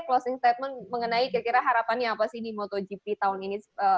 closing statement mengenai kira kira harapannya apa sih di motogp tahun ini